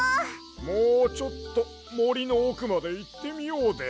もうちょっともりのおくまでいってみようで。